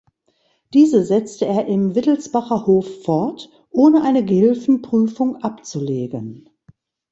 Diese setzte er im „Wittelsbacher Hof“ fort, ohne eine Gehilfenprüfung abzulegen.